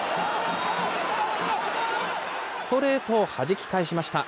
ストレートをはじき返しました。